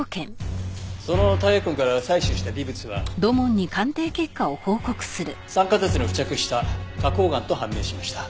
そのタイヤ痕から採取した微物は酸化鉄の付着した花崗岩と判明しました。